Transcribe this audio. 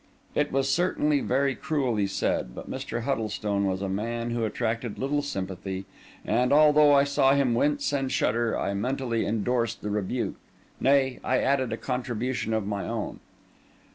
It was certainly very cruelly said; but Mr. Huddlestone was a man who attracted little sympathy; and, although I saw him wince and shudder, I mentally endorsed the rebuke; nay, I added a contribution of my own.